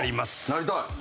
なりたい。